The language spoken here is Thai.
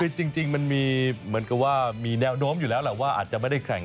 คือจริงมันมีเหมือนกับว่ามีแนวโน้มอยู่แล้วแหละว่าอาจจะไม่ได้แข่ง